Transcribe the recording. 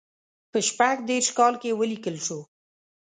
په شپږ دېرش کال کې ولیکل شو.